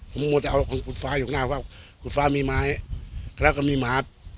ผมมองจะเอาคุณฟ้าอยู่ข้างหน้าเพราะว่าคุณฟ้ามีไม้แล้วก็มีหมา